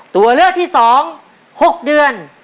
ตัวเลือกที่๒๖เดือน